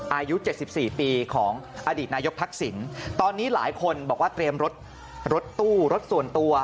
อายุ๗๔ปีของอดีตนายกทักษิณตอนนี้หลายคนบอกว่าเตรียมรถรถตู้รถส่วนตัว